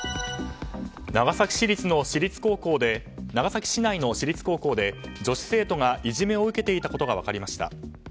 長崎市内の私立高校で女子生徒が、いじめを受けていたことが分かりました。